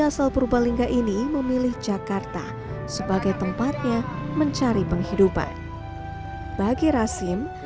asal purbalingga ini memilih jakarta sebagai tempatnya mencari penghidupan bagi rasim